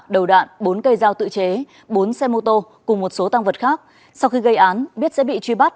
đầu đạn bốn cây dao tự chế bốn xe mô tô cùng một số tăng vật khác sau khi gây án biết sẽ bị truy bắt